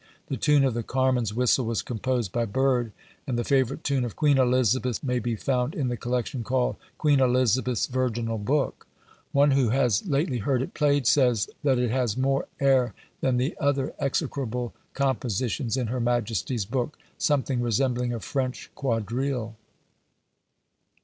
The tune of the "Carman's Whistle" was composed by Bird, and the favourite tune of "Queen Elizabeth" may be found in the collection called "Queen Elizabeth's Virginal Book." One who has lately heard it played says, "that it has more air than the other execrable compositions in her Majesty's book, something resembling a French quadrille."